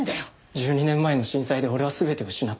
１２年前の震災で俺は全てを失った。